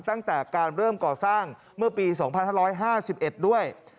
ตั้งแต่การเริ่มก่อสร้างเมื่อปี๒๕๕๑ด้วย